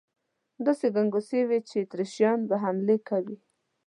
داسې ګنګوسې وې چې اتریشیان به حمله کوي.